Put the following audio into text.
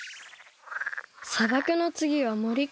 さばくの次はもりか。